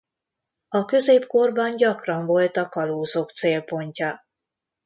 A középkorban gyakran volt a kalózok célpontja.